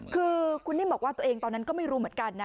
คือคุณนิ่มบอกว่าตัวเองตอนนั้นก็ไม่รู้เหมือนกันนะ